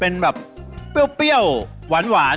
เป็นแบบเปรี้ยวหวาน